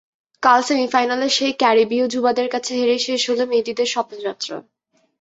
কাল সেমিফাইনালে সেই ক্যারিবীয় যুবাদের কাছে হেরেই শেষ হলো মেহেদীদের স্বপ্নযাত্রা।